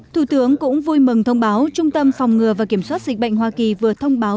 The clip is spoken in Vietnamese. thủ tướng cũng vui mừng thông báo trung tâm phòng ngừa và kiểm soát dịch bệnh hoa kỳ vừa thông báo